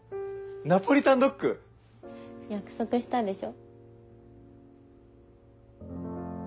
ナポリタンドッグ⁉約束したでしょ。